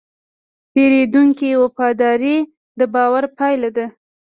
د پیرودونکي وفاداري د باور پايله ده.